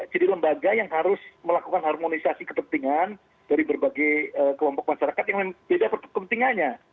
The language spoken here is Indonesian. jadi lembaga yang harus melakukan harmonisasi kepentingan dari berbagai kelompok masyarakat yang memiliki kepentingannya